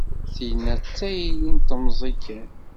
Tinna d tayri n temẓi kan.